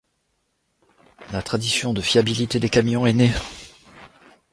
La tradition de fiabilité des camions est née.